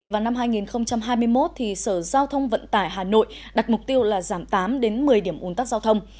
vào năm hai nghìn hai mươi một sở giao thông vận tải hà nội đặt mục tiêu là giảm tám một mươi điểm ồn tắc giao thông